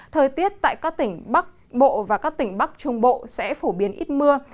thời tiết tại các tỉnh bắc bộ và các tỉnh bắc trung bộ sẽ phổ biến ít mưa